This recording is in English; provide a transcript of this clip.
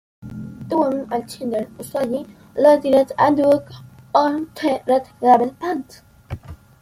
The women and children usually loitered about on the red gravel paths.